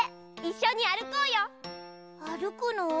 あるくの？